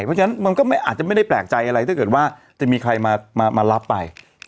เพราะฉะนั้นมันก็อาจจะไม่ได้แปลกใจอะไรถ้าเกิดว่าจะมีใครมารับไป